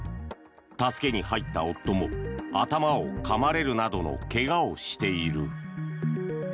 助けに入った夫も頭をかまれるなどの怪我をしている。